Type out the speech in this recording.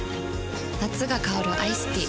夏が香るアイスティー